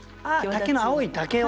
あっ竹の青い竹を。